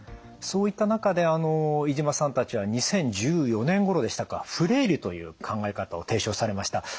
そういった中で飯島さんたちは２０１４年ごろでしたかフレイルという考え方を提唱されました。